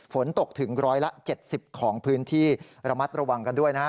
ฝนตกถึงร้อยละ๗๐ของพื้นที่ระมัดระวังกันด้วยนะฮะ